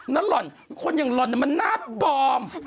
หล่อนคนอย่างหล่อนมันหน้าปลอม